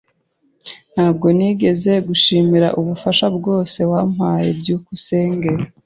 Ntabwo nigeze ngushimira ubufasha bwose wampaye. byukusenge